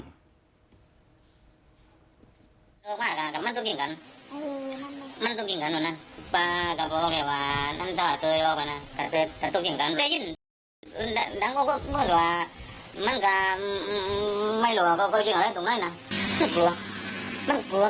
ลืมเป็นสังขนาดนี้แล้วว่าคนร้ายที่มายิงนะ